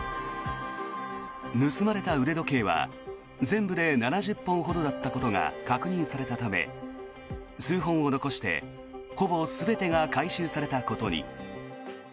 盗まれた腕時計は全部で７０本ほどだったことが確認されたため数本を残してほぼ全てが回収されたことに。